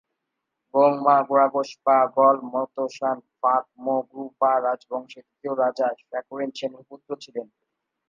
গোং-মা-গ্রাগ্স-পা-র্গ্যাল-ম্ত্শান ফাগ-মো-গ্রু-পা রাজবংশের তৃতীয় রাজা শা-ক্যা-রিন-ছেনের পুত্র ছিলেন।